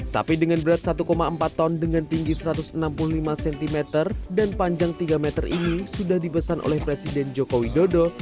sapi dengan berat satu empat ton dengan tinggi satu ratus enam puluh lima cm dan panjang tiga meter ini sudah dipesan oleh presiden joko widodo